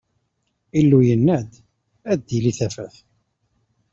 Illu yenna: Ad d-tili tafat!